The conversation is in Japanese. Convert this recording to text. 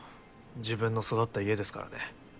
自分の育った家ですからね。